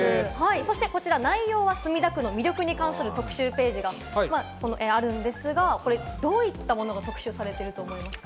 そしてこちら、内容は墨田区の魅力に関する特集ページがあるんですが、どういったものが特集されていると思いますか？